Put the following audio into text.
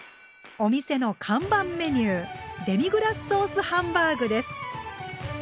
お店の看板メニューデミグラスソースハンバーグです。